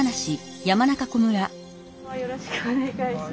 よろしくお願いします。